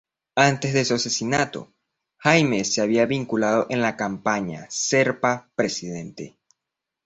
Antes de su asesinato, Jaime se había vinculado a la Campaña "Serpa Presidente".